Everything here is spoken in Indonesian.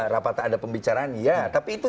rapat ada pembicaraan iya tapi itu